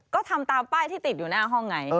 ก็ทำตามป้ายที่ติดอยู่หน้าห้องไง